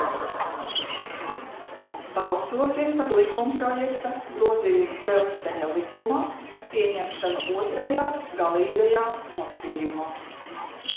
"Balsosim par likumprojekta "Grozījumi Dzelzceļa likumā" pieņemšanu otrajā, galīgajā, lasījumā."